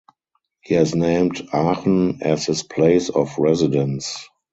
He has named Aachen as his place of residence.